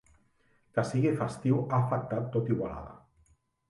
Que sigui festiu ha afectat tot Igualada.